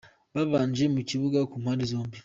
babanje mu kibuga ku mpande zombi:.